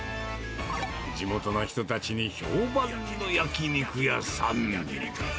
地元の人たちに評判の焼き肉屋さん。